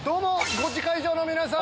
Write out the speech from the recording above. ゴチ会場の皆さん！